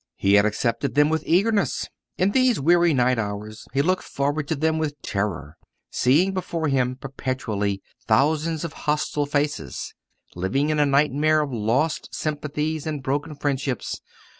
He had accepted them with eagerness; in these weary night hours he looked forward to them with terror, seeing before him perpetually thousands of hostile faces, living in a nightmare of lost sympathies and broken friendships.